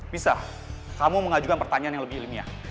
bisa kamu mengajukan pertanyaan yang lebih ilmiah